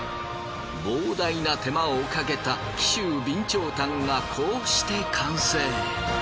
膨大な手間をかけた紀州備長炭がこうして完成。